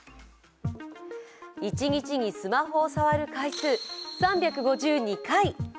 一日にスマホを触る回数、３５２回。